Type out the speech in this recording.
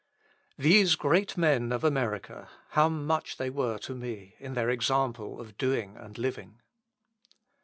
These great men of America, how much they were to me, in their example of doing and living!